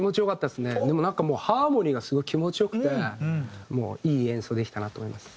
でもなんかもうハーモニーがすごい気持ち良くていい演奏できたなと思います。